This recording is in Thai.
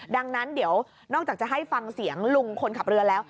ดังนั้นเดี๋ยวนอกจากจะให้ฟังเสียงลุงคนขับเรือแล้ว